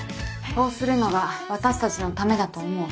こうするのが私たちのためだと思う。